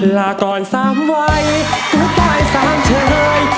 ลาก่อนสามวัยกูปล่อยสามเฉย